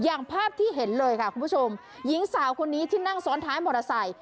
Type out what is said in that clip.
อย่างภาพที่เห็นเลยค่ะคุณผู้ชมหญิงสาวคนนี้ที่นั่งซ้อนท้ายมอเตอร์ไซค์